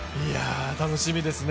楽しみですね。